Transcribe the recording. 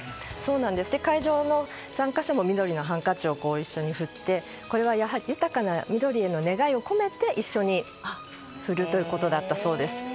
会場の参加者も緑のハンカチを一緒に振ってこれは豊かな緑への願いを込めて一緒に振るということだったそうです。